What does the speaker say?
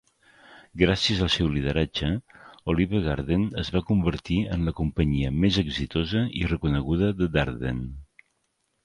Gràcies al seu lideratge, Olive Garden es va convertir en la companyia més exitosa i reconeguda de Darden.